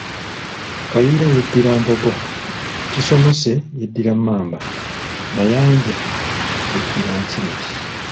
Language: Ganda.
Kayiira yeddira Mbogo, Kisomose yeddira Mmamba, Mayanja yeddira Nkima.